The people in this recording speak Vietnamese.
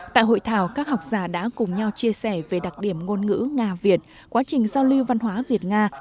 tại hội thảo các học giả đã cùng nhau chia sẻ về đặc điểm ngôn ngữ nga việt quá trình giao lưu văn hóa việt nga